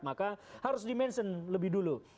maka harus dimention lebih dulu